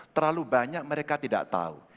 terlalu banyak mereka tidak tahu